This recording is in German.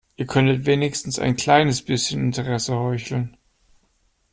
Ihr könntet wenigstens ein kleines bisschen Interesse heucheln.